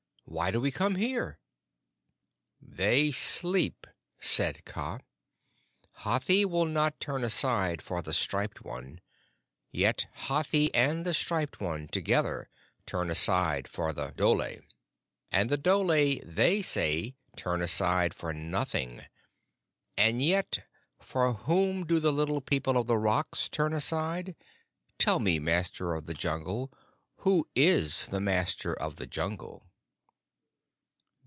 "Why do we come here?" "They sleep," said Kaa. "Hathi will not turn aside for the Striped One. Yet Hathi and the Striped One together turn aside for the dhole, and the dhole they say turn aside for nothing. And yet for whom do the Little People of the Rocks turn aside? Tell me, Master of the Jungle, who is the Master of the Jungle?"